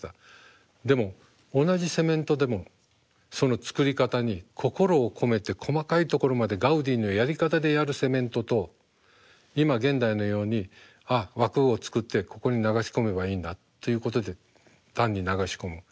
でも同じセメントでもその作り方に心を込めて細かいところまでガウディのやり方でやるセメントと今現代のように枠を作ってここに流し込めばいいんだということで単に流し込む。